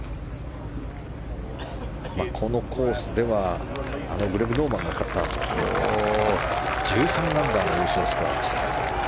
このコースではグレッグ・ノーマンが勝った時の１３アンダーが優勝スコアでした。